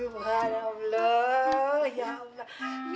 syurga allah ya allah